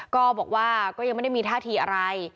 ก็บอกว่าก็ยังไม่ได้มีท่าทีอะไร